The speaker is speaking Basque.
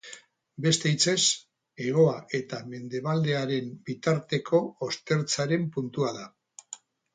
Beste hitzez, hegoa eta mendebaldearen bitarteko ostertzaren puntua da.